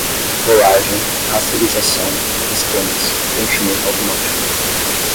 rolagem, rasterização, esquemas, preenchimento automático